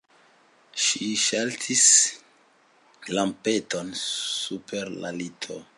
Ŝi ŝaltis lampeton super la lito.